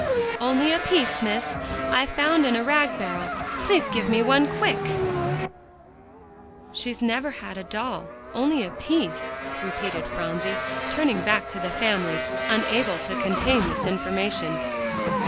"Only a piece, Miss, I found in a rag barrel. Please give me one quick." "She's never had a doll only a piece," repeated Phronsie, turning back to the family, unable to contain this information.